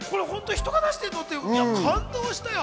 人が出してることに感動したよ。